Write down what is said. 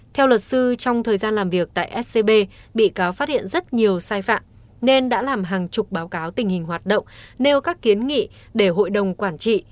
theo luật sư trong thời gian làm việc tại scb bị cáo phát hiện rất nhiều sai phạm nên đã làm hàng chục báo cáo tình hình hoạt động nêu các kiến nghị để hội đồng quản trị